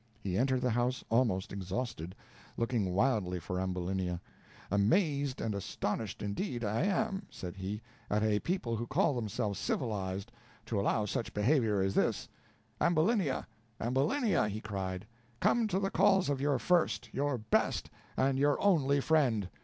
He entered the house almost exhausted, looking wildly for Ambulinia. "Amazed and astonished indeed I am," said he, "at a people who call themselves civilized, to allow such behavior as this. Ambulinia, Ambulinia!" he cried, "come to the calls of your first, your best, and your only friend.